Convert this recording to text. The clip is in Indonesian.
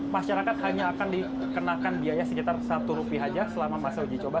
masyarakat hanya akan dikenakan biaya sekitar rp satu saja selama masa uji coba